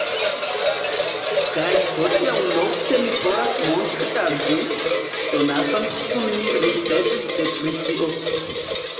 Kaj hodiaŭ nokte mi volas montri al vi, donacon kiun mi ricevis de Britio.